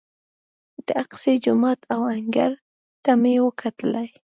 د اقصی جومات او انګړ ته مې وکتلې.